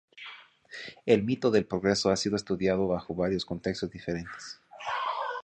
El mito del progreso ha sido estudiado bajo varios contextos diferentes.